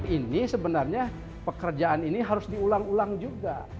ini sebenarnya pekerjaan ini harus diulang ulang juga